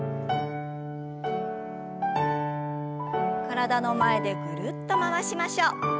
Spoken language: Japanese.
体の前でぐるっと回しましょう。